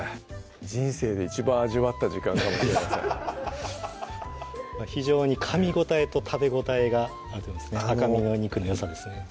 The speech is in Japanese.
人生で一番味わった時間かもしれません非常にかみ応えと食べ応えがあるんですね赤身のお肉のよさですね